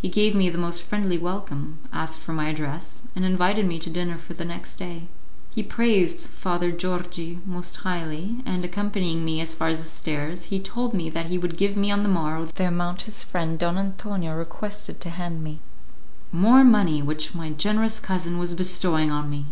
He gave me the most friendly welcome, asked for my address, and invited me to dinner for the next day. He praised Father Georgi most highly, and, accompanying me as far as the stairs, he told me that he would give me on the morrow the amount his friend Don Antonio requested him to hand me. More money which my generous cousin was bestowing on me!